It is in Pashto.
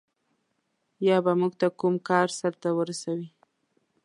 یا به موږ ته کوم کار سرته ورسوي.